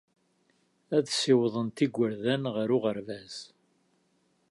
Ad ssiwḍent igerdan ɣer uɣerbaz.